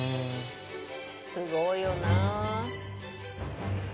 すごいよなぁ。